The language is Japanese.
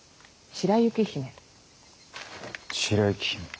白雪姫。